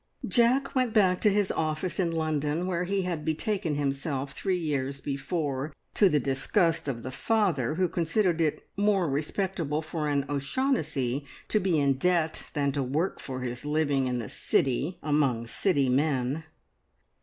Jack went back to his office in London, where he had betaken himself three years before, to the disgust of the father, who considered it more respectable for an O'Shaughnessy to be in debt than to work for his living in the City among City men.